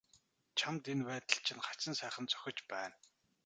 Чамд энэ байдал чинь хачин сайхан зохиж байна.